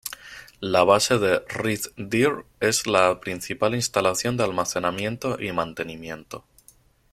La base de Red Deer es la principal instalación de almacenamiento y mantenimiento.